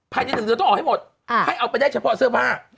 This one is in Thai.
ภายใน๑เดือนต้องออกให้หมดให้เอาไปได้เฉพาะเสื้อผ้า